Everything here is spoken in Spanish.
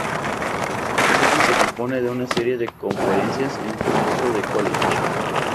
El ciclo se compone de una serie de conferencias y un concurso de collage.